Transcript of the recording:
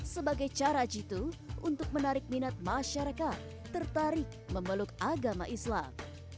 sebagai cara jitu untuk menarik minat masyarakat tertarik memeluk agama islam